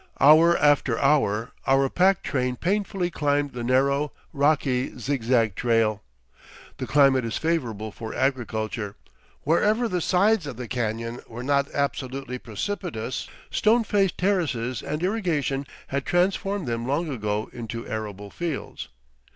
Hour after hour our pack train painfully climbed the narrow, rocky zigzag trail. The climate is favorable for agriculture. Wherever the sides of the canyon were not absolutely precipitous, stone faced terraces and irrigation had transformed them long ago into arable fields.